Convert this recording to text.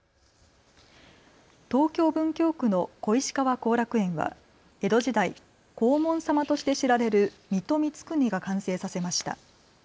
東京文京区の小石川後楽園は江戸時代、黄門様として知られる水戸光圀が完成させました。